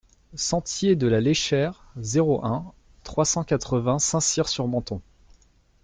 Sentier de la Léchère, zéro un, trois cent quatre-vingts Saint-Cyr-sur-Menthon